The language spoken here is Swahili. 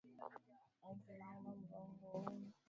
Akiinama mgongo huuma